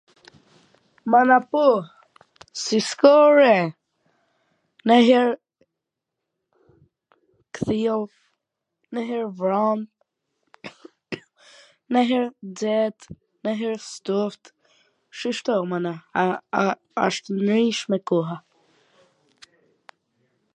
Mana po, si s ka re, nanj her kthijon, nanj her vran, nanj her xet, naj her ftot, shishto mana, a a asht e nrishme koha